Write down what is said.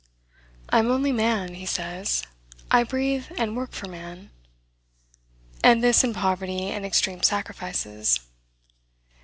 "I am only man," he says; "I breathe and work for man," and this in poverty and extreme sacrifices.